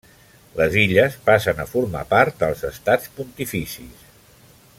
Les illes passen a formar part dels Estats Pontificis.